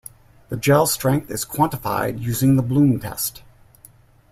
The gel strength is quantified using the Bloom test.